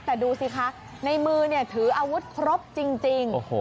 แต่ดูสิคะในมือเนี่ยถืออาวุธครบจริงจริงโอ้โห